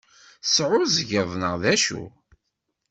Teɛɛuẓgeḍ neɣ d acu?